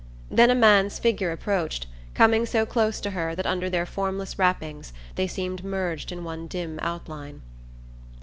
Then a man's figure approached, coming so close to her that under their formless wrappings they seemed merged in one dim outline.